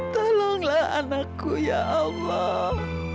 tolonglah anakku ya allah